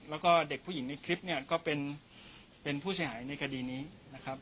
แล้วก็เด็กผู้หญิงในคลิปเนี่ยก็เป็นผู้เสียหายในคดีนี้นะครับ